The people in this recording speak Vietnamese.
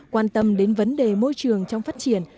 quan tâm đến vấn đề môi trường trong phát triển